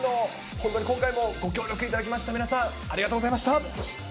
本当に今回もご協力いただきました皆さん、ありがとうございました。